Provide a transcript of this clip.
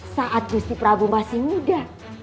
saat gusti prabu masih muda